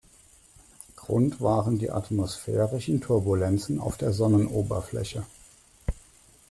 Grund waren die atmosphärischen Turbulenzen auf der Sonnenoberfläche.